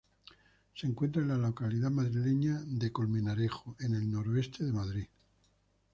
Se encuentra en la localidad madrileña de Colmenarejo, en el noroeste de Madrid.